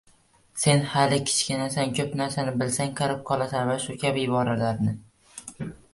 “Sen hali kichkinasan”, “Ko‘p narsani bilsang, qarib qolasan” va shu kabi iboralarni